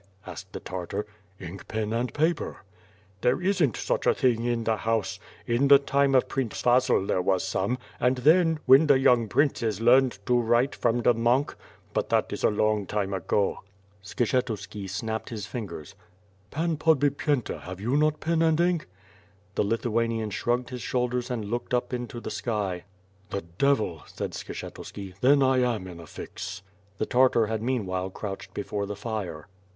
asked the Tartar. "Ink, pen and paper." "There isn't such a thing in the house. In the time of Prince Vasil there was some — ^and then — ^when the young princess learned to write from the monk, — ^but that is a long time ago." WITH FIRE AND SWORD, 6^ Skshetuski snapped his fingers. "Pan Podbipyenta, have you not pen and ink?'' The Lithuanian shrugged his shoulders and looked up into the f y. "The devil," said Skshetuski, "then 1 am in a fix." The Tartar had meanwhile crouched before the fire.